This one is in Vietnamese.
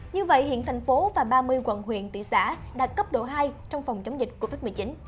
như vậy hiện thành phố và ba mươi quận huyện thị xã đạt cấp độ hai trong phòng chống dịch covid một mươi chín